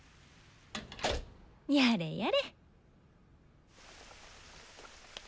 やれやれ。